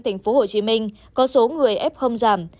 tp hcm có số người ép không giảm